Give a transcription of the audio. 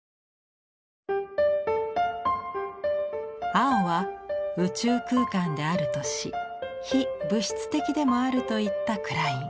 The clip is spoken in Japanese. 青は宇宙空間であるとし非物質的でもあると言ったクライン。